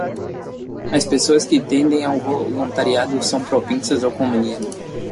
As pessoas que tendem ao voluntariado são propensas ao comunismo